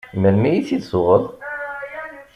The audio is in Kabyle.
Melmi i t-id-tuɣeḍ?